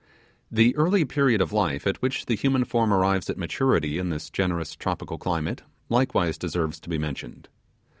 The early period of life at which the human form arrives at maturity in this generous tropical climate, likewise deserves to be mentioned.